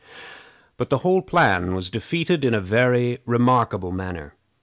But the whole plan was defeated in a very remarkable manner.